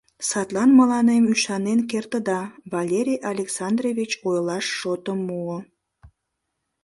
Садлан мыланем ӱшанен кертыда, — Валерий Александрович ойлаш шотым муо.